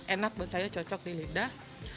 enak buat saya cocok di lidah